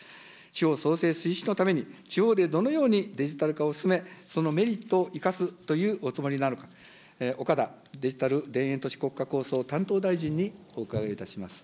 地方創生推進のために、地方でどのようにデジタル化を進め、そのメリットを生かすというおつもりなのか、岡田デジタル田園都市国家構想担当大臣にお伺いをいたします。